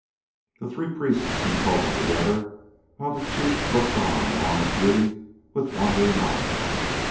The three priests consulted together, while the chief looked on Juanna's beauty with wondering eyes.